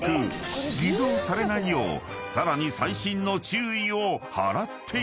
［偽造されないようさらに細心の注意を払っているのだ］